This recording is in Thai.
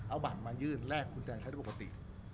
เอาบัตรมายื่นแลกคุณแจล็กใช้ทุกข์ปกติ